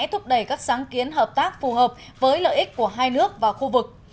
thúc đẩy các sáng kiến hợp tác phù hợp với lợi ích của hai nước và khu vực